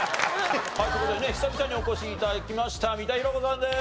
はいという事でね久々にお越し頂きました三田寛子さんです。